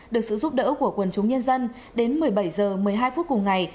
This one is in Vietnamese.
được sự giúp đỡ của quần chúng nhân dân đến một mươi bảy h một mươi hai phút cùng ngày